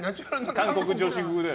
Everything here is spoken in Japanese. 韓国女子風。